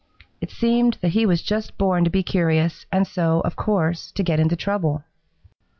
It seemed that he was just born to be curious and so, of course, to get into trouble.